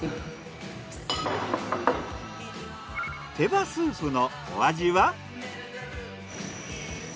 手羽スープのお味は？